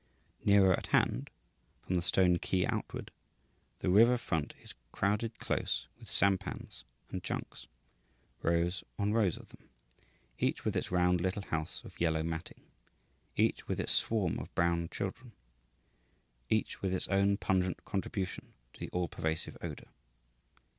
Nearer at hand, from the stone quay outward, the river front is crowded close with sampans and junks, rows on rows of them, each with its round little house of yellow matting, each with its swarm of brown children, each with its own pungent contribution to the all pervasive odour.